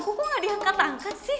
aku kok gak diangkat angkat sih